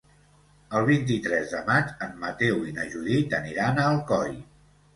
El vint-i-tres de maig en Mateu i na Judit aniran a Alcoi.